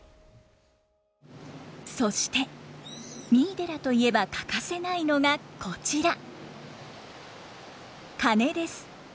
そして三井寺といえば欠かせないのがこちら鐘です。